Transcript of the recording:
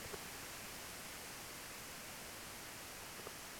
সেটার টোকেন তোর কাছে আছে তো?